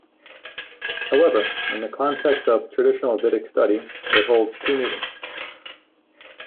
However, in the context of traditional Vedic study, it holds two meanings.